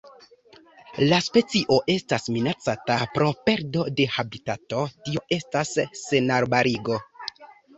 La specio estas minacata pro perdo de habitato tio estas senarbarigo.